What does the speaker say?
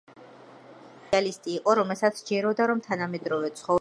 ვან გოგი სოციალისტი იყო, რომელსაც სჯეროდა, რომ თანამედროვე ცხოვრება